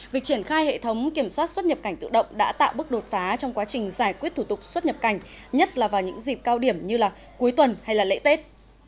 việc triển khai hệ thống kiểm soát xuất nhập cảnh tự động đã tạo bước đột phá trong quá trình giải quyết thủ tục xuất nhập cảnh nhất là vào những dịp cao điểm như cuối tuần hay lễ tết